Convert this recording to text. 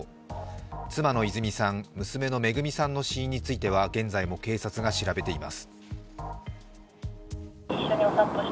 妻の泉さん、娘の恵さんの死因については現在も警察が調べています。